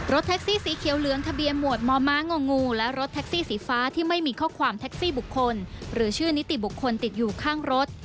แท็กซี่สีเขียวเหลืองทะเบียนหมวดมองูและรถแท็กซี่สีฟ้าที่ไม่มีข้อความแท็กซี่บุคคลหรือชื่อนิติบุคคลติดอยู่ข้างรถ